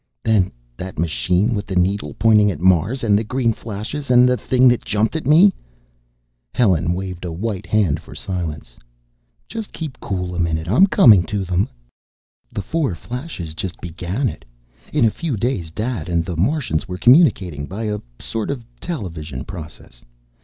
"Then that machine, with the needle pointing at Mars, and the green flashes, and the thing that jumped at me " Helen waved a white hand for silence. "Just keep cool a minute! I'm coming to them. "The four flashes just began it. In a few days Dad and the Martians were communicating by a sort of television process.